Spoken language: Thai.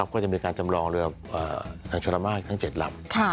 ก็จะมีการจำลองเรือทางชวรรม่าทาง๗ลำ